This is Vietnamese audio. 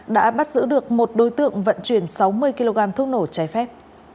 đã bắt giữ được một đối tượng vận chuyển sáu mươi kg thuốc nổ trái phép